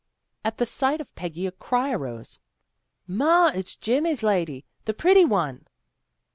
At the sight of Peggy a cry arose. " Ma, it's Jimmy's lady, the pretty one."